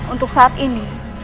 untuk saat ini